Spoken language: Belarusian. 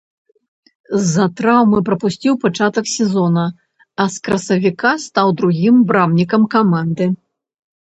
З-за траўмы прапусціў пачатак сезона, а з красавіка стаў другім брамнікам каманды.